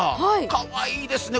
かわいいですね。